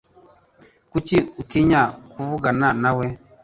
Kuki utinya kuvugana nawe?